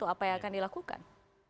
apa yang akan dilakukan